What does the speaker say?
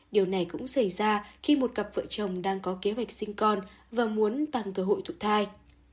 điều này cũng xảy ra khi một cặp vợ chồng đang có kế hoạch sinh con và muốn tăng cơ hội thụ thai